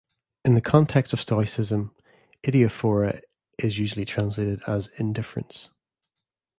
In the context of Stoicism "adiaphora" is usually translated as "indifferents.